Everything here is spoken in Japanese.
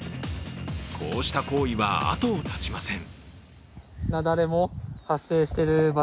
こうした行為は後を絶ちません。